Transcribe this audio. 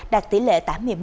đạt tỷ lệ tám mươi một